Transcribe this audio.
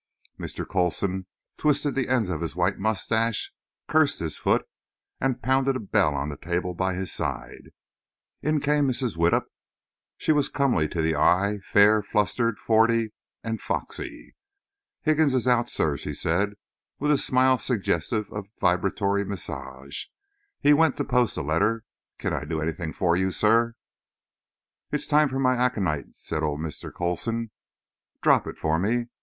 Mr. Coulson twisted the ends of his white mustache, cursed his foot, and pounded a bell on the table by his side. In came Mrs. Widdup. She was comely to the eye, fair, flustered, forty and foxy. "Higgins is out, sir," she said, with a smile suggestive of vibratory massage. "He went to post a letter. Can I do anything for you, sir?" "It's time for my aconite," said old Mr. Coulson. "Drop it for me.